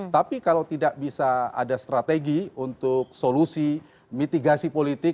tapi kalau tidak bisa ada strategi untuk solusi mitigasi politik